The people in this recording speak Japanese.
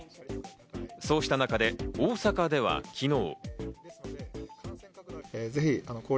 そうした中で、大阪では昨日。